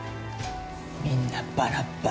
みんなバラバラ。